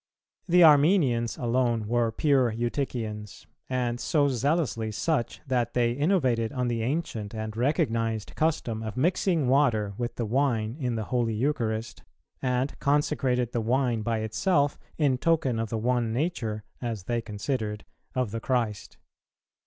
The Armenians alone were pure Eutychians, and so zealously such that they innovated on the ancient and recognized custom of mixing water with the wine in the Holy Eucharist, and consecrated the wine by itself in token of the one nature, as they considered, of the Christ.